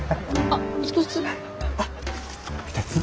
あっ２つ。